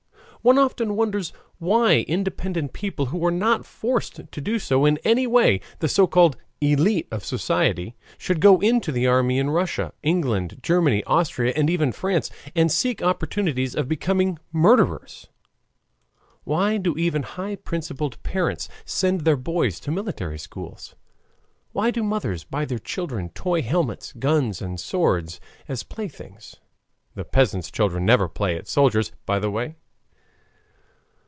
One often wonders why independent people, who are not forced to do so in any way, the so called ÉLITE of society, should go into the army in Russia, England, Germany, Austria, and even France, and seek opportunities of becoming murderers. Why do even high principled parents send their boys to military schools? Why do mothers buy their children toy helmets, guns, and swords as playthings? (The peasant's children never play at soldiers, by the way).